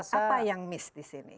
apa yang miss di sini